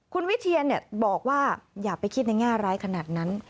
คุณวิเทียนบอกว่าอย่าไปคิดในแง่ร้ายขนาดนั้น